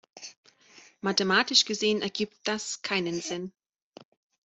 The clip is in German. Mathematisch gesehen ergibt das keinen Sinn.